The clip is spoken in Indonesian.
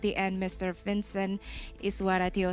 tuan tuan dan perempuan